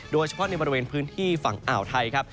โดยเฉพาะในบริเวณพื้นที่ฝั่งอ่าวไทยครับ